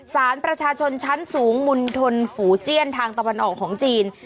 สารประชาชนชั้นสูงมณฑลฝูเจี้ยนทางตะวันออกของจีน